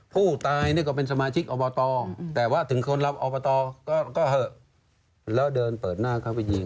ผู้ตายนี่ก็เป็นสมาชิกอบตแต่ว่าถึงคนลำอบตก็เหอะแล้วเดินเปิดหน้าเข้าไปยิง